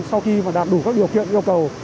sau khi đạt đủ các điều kiện yêu cầu